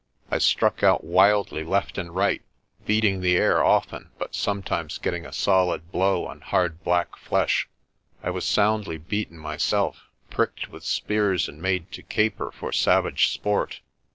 I struck out wildly left and right, beating the air often, but sometimes getting a solid blow on hard black flesh. I was soundly beaten myself, pricked with spears, and made to caper for savage sport.